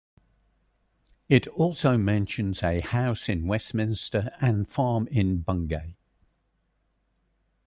It also mentions a house in Westminster and farm in Bungay.